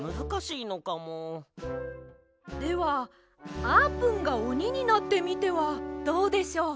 ではあーぷんがおにになってみてはどうでしょう？